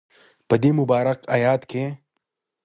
په دی مبارک ایت کی